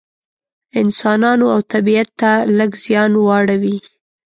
انسانانو او طبیعت ته لږ زیان واړوي.